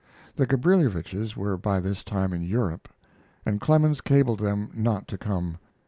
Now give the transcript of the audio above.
The Gabrilowitsches were by this time in Europe, and Clemens cabled them not to come.